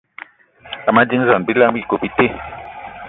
Ama dínzan bilam íkob í yé í te